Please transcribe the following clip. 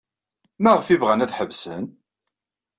Maɣef ay bɣan ad ḥebsen?